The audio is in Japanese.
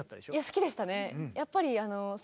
好きでしたね。